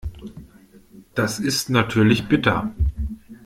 Das ist natürlich bitter.